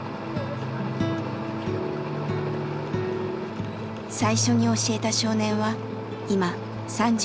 最初に教えた少年は今３７歳。